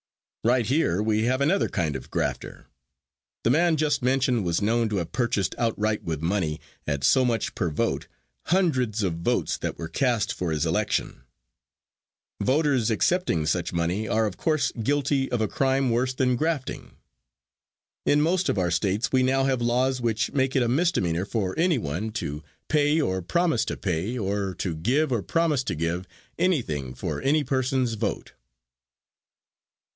Right here we have another kind of grafter. The man just mentioned was known to have purchased outright with money, at so much per vote, hundreds of votes that were cast for his election. Voters accepting such money are of course guilty of a crime worse than grafting. In most of our states we now have laws which make it a misdemeanor for anyone to pay or promise to pay, or to give or promise to give anything for any person's vote.